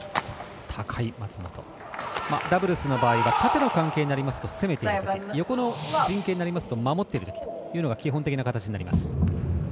ダブルスの場合は縦の関係になりますと攻めている、横の陣形になると守っているときというのが基本的な形となります。